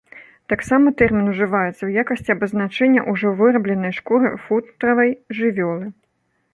Таксама тэрмін ужываецца ў якасці абазначэння ўжо вырабленай шкуры футравай жывёлы.